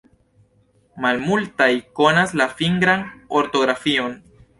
Malmultaj konas la fingran ortografion.